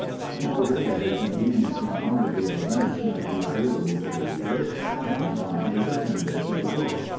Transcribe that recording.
In order that a convenient chronology of events might be available to the reader, an outline is appended to the book.